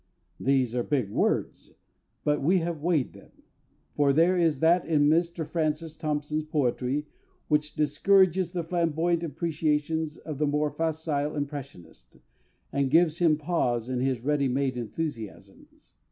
These are big words; but we have weighed them. For there is that in Mr FRANCIS THOMPSON'S poetry which discourages the flamboyant appreciations of the more facile impressionist, and gives him pause in his ready made enthusiasms.